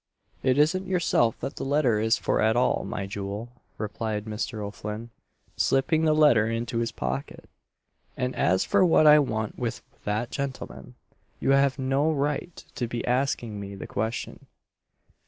"It isn't yourself that the letter is for at all, my jewel," replied Mr. O'Flinn, slipping the letter into his pocket "and as for what I want with that gentleman, you have no right to be asking me the question."